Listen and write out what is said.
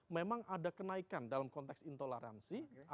memang ada kenaikan dalam konteks intoleransi